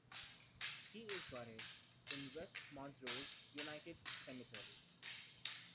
He is buried in West Montrose United Cemetery.